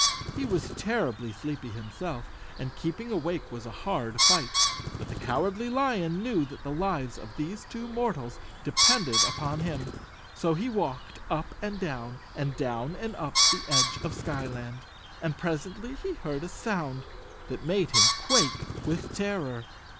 He was terribly sleepy himself and keeping awake was a hard fight, but the Cowardly Lion knew that the lives of these two mortals depended upon him, so he walked up and down, and down and up the edge of the Skyland, and presently he heard a sound that made him quake with terror.